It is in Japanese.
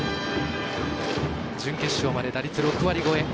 準決勝まで打率６割超え。